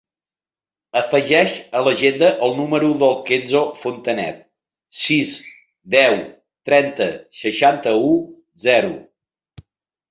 Afegeix a l'agenda el número del Kenzo Fontanet: sis, deu, trenta, seixanta-u, zero.